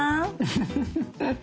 フフフフ。